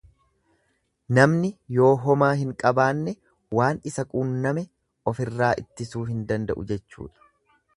Namni yoo homaa hin qabanne waan isa qunname ofirraa ittisuu hin danda'u jechuudha.